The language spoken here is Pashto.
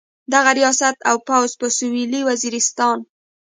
دغه ریاست او فوځ په سویلي وزیرستان.